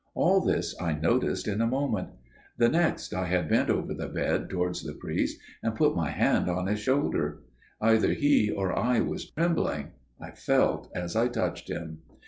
All this I noticed in a moment; the next I had bent over the bed towards the priest and put my hand on his shoulder. Either he or I was trembling, I felt as I touched him.